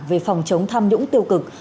về phòng chống tham nhũng tiêu cực